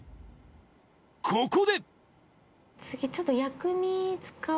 ここで次。